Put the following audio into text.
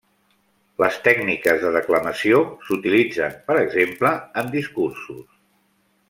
Les tècniques de declamació s'utilitzen, per exemple, en discursos.